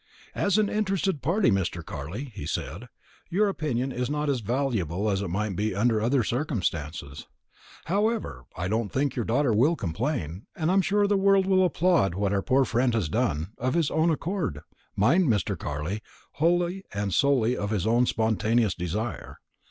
"As an interested party, Mr. Carley," he said, "your opinion is not as valuable as it might be under other circumstances. However, I don't think your daughter will complain, and I am sure the world will applaud what our poor friend has done of his own accord, mind, Mr. Carley, wholly and solely of his own spontaneous desire.